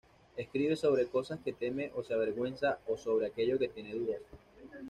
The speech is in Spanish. Escribe sobre cosas que teme o se avergüenza, o sobre aquello que tiene dudas.